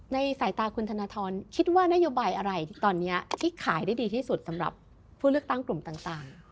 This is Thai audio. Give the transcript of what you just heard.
สายตาคุณธนทรคิดว่านโยบายอะไรตอนนี้ที่ขายได้ดีที่สุดสำหรับผู้เลือกตั้งกลุ่มต่าง